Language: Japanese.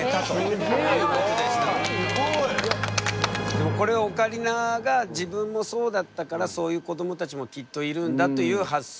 でもこれオカリナが自分もそうだったからそういう子どもたちもきっといるんだという発想だよね。